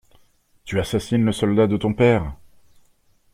Tu assassines le soldat de ton père!